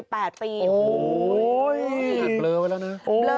โอ้ยแบบเบลอไว้แล้วเนี่ย